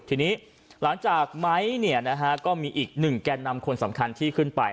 ทีนี้หลังจากไม้ก็มีอีกหนึ่งแก่นำคนสำคัญที่ขึ้นไป